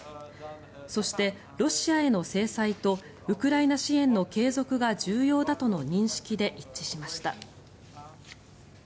そして、ロシアへの制裁とウクライナ支援の継続が重要だとの認識で一致しました。